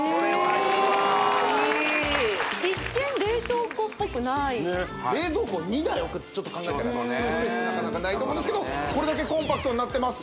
いい一見冷凍庫っぽくない冷蔵庫２台置くってちょっと考えたらそういうスペースなかなかないと思うんですけどこれだけコンパクトになってます